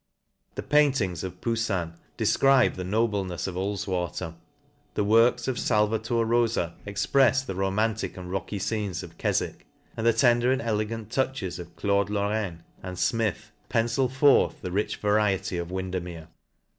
The paintings of Poufin defcribe the noblenefs of Vls water , the works of Sahator Rofa exprefs the ro mantic and rocky fcenes of Kefwick ; and the tender and elegant touches of Claude Loraine, and Smith 2 ( pencil forth the fieh variety of Windermere* The 3^2 LA NCASHIRE.